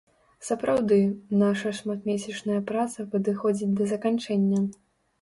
Сапраўды, наша шматмесячная праца падыходзіць да заканчэння.